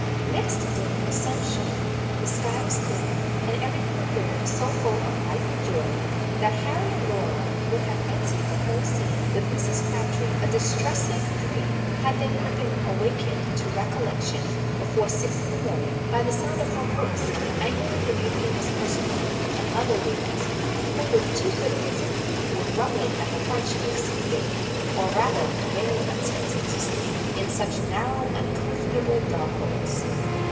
Next day the sun shone, the sky was clear, and every thing appeared so full of life and joy, that Harry and Laura would have fancied the whole scene with Mrs. Crabtree a distressing dream, had they not been awakened to recollection before six in the morning, by the sound of her voice, angrily rebuking Miss Perceval and other ladies, who with too good reason, were grumbling at the hardship of sleeping, or rather vainly attempting to sleep, in such narrow uncomfortable dog holes.